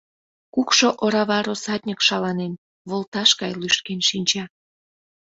Кукшо орава россатньык шаланен волташ гай лӱшкен шинча.